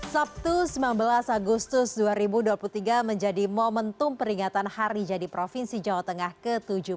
sabtu sembilan belas agustus dua ribu dua puluh tiga menjadi momentum peringatan hari jadi provinsi jawa tengah ke tujuh puluh dua